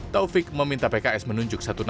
taufik meminta pks menunjuk satu